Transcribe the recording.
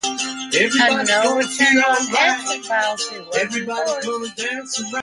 A "no return on exit" policy was enforced.